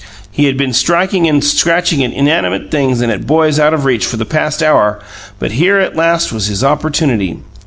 He had been striking and scratching at inanimate things and at boys out of reach for the past hour; but here at last was his opportunity.